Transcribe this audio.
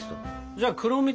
じゃあ黒蜜